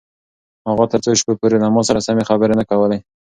اغا تر څو شپو پورې له ما سره سمې خبرې نه کولې.